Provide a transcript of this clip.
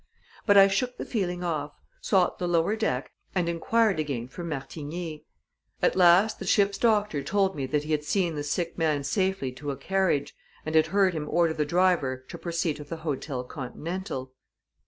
But I shook the feeling off, sought the lower deck, and inquired again for Martigny. At last, the ship's doctor told me that he had seen the sick man safely to a carriage, and had heard him order the driver to proceed to the Hotel Continental.